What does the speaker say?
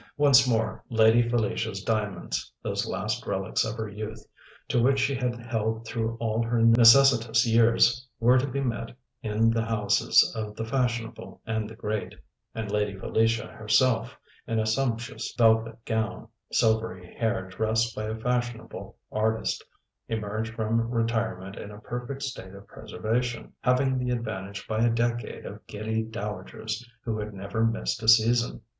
Once more Lady Felicia's diamonds, those last relics of her youth, to which she had held through all her necessitous years, were to be met in the houses of the fashionable and the great; and Lady Felicia herself, in a sumptuous velvet gown, silvery hair dressed by a fashionable artist, emerged from retirement in a perfect state of preservation, having the advantage by a decade of giddy dowagers who had never missed a season.